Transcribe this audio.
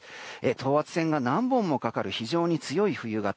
等圧線が何本もかかる非常に強い冬型。